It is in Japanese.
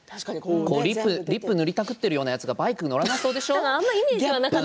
リップを塗りたくっているようなやつがバイクに乗らなそうでしょう？